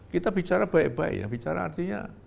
kita bicara baik baik ya bicara artinya